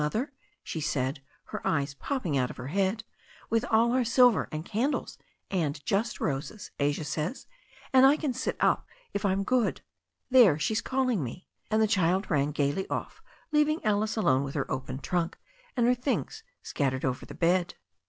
Mother," she said, her eyes popping out of her head, "with all our silver, and candles, and just roses, Asia says, and I can sit up if I'm good. There, she's calling me." And the child ran gaily off, leaving Alice alone with her ti THE STORY OF A NEW ZEALAND RIVER 289 open trunk, and her things scattered over her bed.